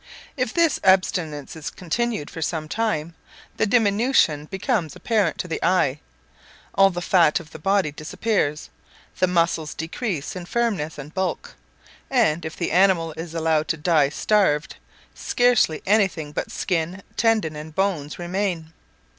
If this abstinence is continued for some time, the diminution becomes apparent to the eye; all the fat of the body disappears, the muscles decrease in firmness and bulk, and, if the animal is allowed to die starved, scarcely anything but skin, tendon, and bones, remain.